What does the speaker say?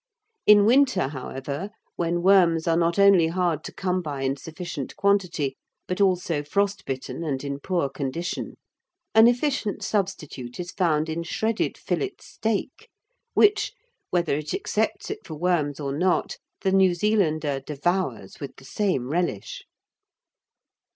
In winter, however, when worms are not only hard to come by in sufficient quantity but also frost bitten and in poor condition, an efficient substitute is found in shredded fillet steak, which, whether it accepts it for worms or not, the New Zealander devours with the same relish.